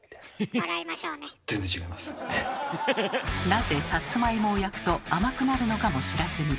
なぜサツマイモを焼くと甘くなるのかも知らずに。